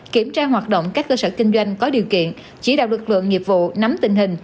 kiểm tra hoạt động các cơ sở kinh doanh có điều kiện chỉ đạo lực lượng nghiệp vụ nắm tình hình